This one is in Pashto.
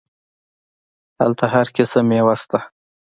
هلته هر قسم ميوه سته.